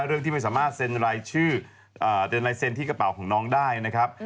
เรื่องที่ไม่สามารถเซ็นรายชื่อเดนลายเซ็นที่กระเป๋าของน้องได้นะครับ